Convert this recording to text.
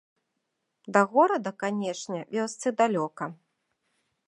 Да горада, канечне, вёсцы далёка.